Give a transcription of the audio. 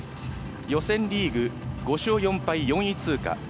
予選リーグ５勝４敗、４位通過。